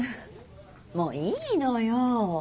もういいのよ。